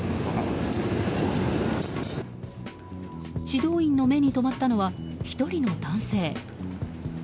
指導員の目に留まったのは１人の男性。